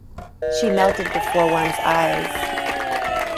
She melted before one's eyes.